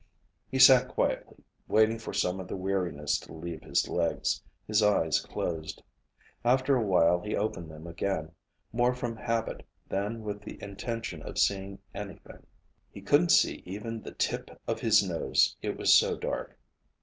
He sat quietly, waiting for some of the weariness to leave his legs, his eyes closed. After a while he opened them again, more from habit than with the intention of seeing anything. He couldn't see even the tip of his nose it was so dark.